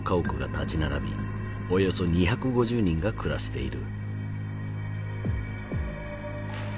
およそ２５０人が暮らしている。